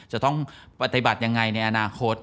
จะต้องปฏิบัติยังไงในอนาคต